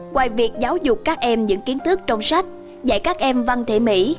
quay việc giáo dục các em những kiến thức trong sách dạy các em văn thể mỹ